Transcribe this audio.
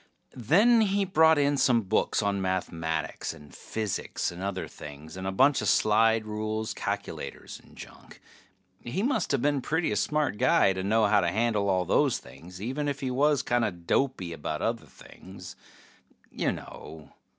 Then he brought in some books on mathematics and physics and other things, and a bunch of slide rules, calculators, and junk. He musta been a pretty smart guy to know how to handle all those things, even if he was kinda dopey about other things. You know